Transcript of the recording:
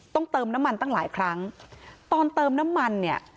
เติมน้ำมันตั้งหลายครั้งตอนเติมน้ำมันเนี่ย